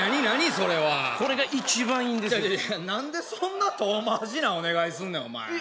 それはこれが一番いいんです何でそんな遠まわしなお願いすんねんお前え